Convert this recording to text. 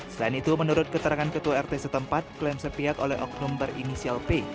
selain itu menurut keterangan ketua rt setempat klaim sepihak oleh oknum berinisial p